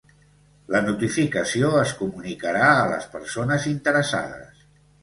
La notificació es comunicarà a les persones interessades.